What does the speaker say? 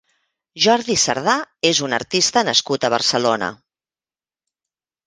Jordi Cerdà és un artista nascut a Barcelona.